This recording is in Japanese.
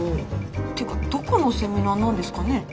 てかどこのセミナーなんですかね？